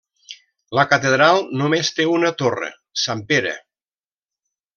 La catedral només té una torre, Sant Pere.